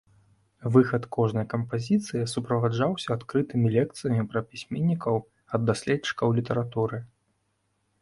Выхад кожнай кампазіцыі суправаджаўся адкрытымі лекцыямі пра пісьменнікаў ад даследчыкаў літаратуры.